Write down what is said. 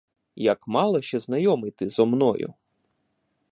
Як мало ще знайомий ти зо мною.